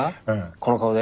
この顔で？